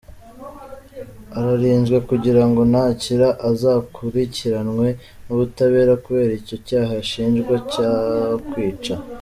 Ararinzwe kugira ngo nakira azakurikiranwe n’ubutabera kubera icyo cyaha ashinjwa cyo kwica.